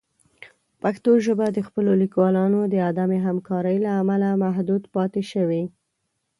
پښتو ژبه د خپلو لیکوالانو د عدم همکارۍ له امله محدود پاتې شوې.